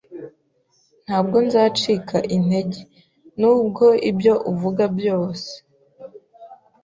Ntabwo nzacika intege, nubwo ibyo uvuga byose.